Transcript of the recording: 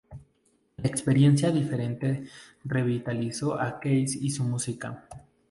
La experiencia diferente revitalizó a Keys y su música.